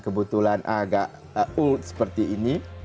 kebetulan agak old seperti ini